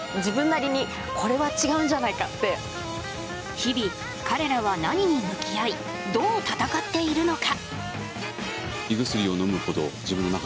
日々彼らは何に向き合いどう闘っているのか？